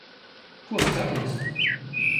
Ko skaties?